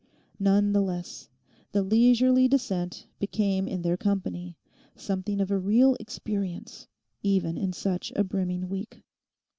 None the less, the leisurely descent became in their company something of a real experience even in such a brimming week.